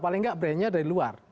paling nggak brandnya dari luar